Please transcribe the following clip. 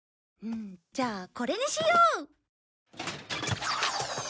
じゃあこれにしよう。